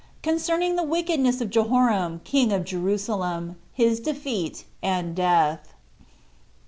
Concerning The Wickedness Of Jehoram King Of Jerusalem; His Defeat And Death.